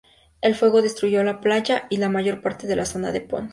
El fuego destruyó Playa y la mayor parte de la zona de Ponce.